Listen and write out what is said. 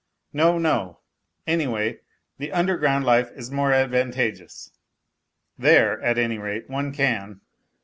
No, no ; anyway the underground life is more advantageous. There, at any rate, one can.